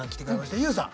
ＹＯＵさん。